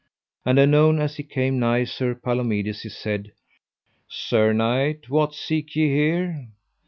And anon as he came nigh Sir Palomides he said: Sir knight, what seek ye here?